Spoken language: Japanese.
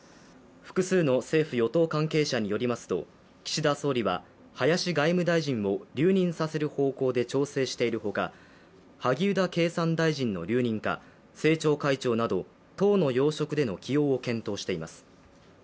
複数の政府・与党関係者によりますと岸田総理は林外務大臣を留任させる方向で調整しているほか萩生田経産大臣の留任か政調会長など党の要職での起用を検討しています。